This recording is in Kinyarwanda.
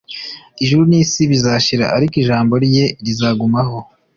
Ijuru n'isi bizashira ariko ijambo rye rizagumaho